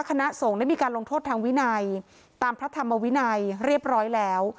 คณะสงฆ์ได้มีการลงโทษทางวินัยตามพระธรรมวินัยเรียบร้อยแล้ว